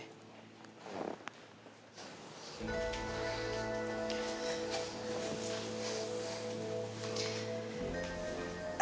mudah mudahan mama bisa bujuk kinar ya boy